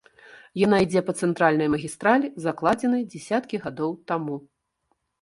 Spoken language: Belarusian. Яна ідзе па цэнтральнай магістралі, закладзенай дзясяткі гадоў таму.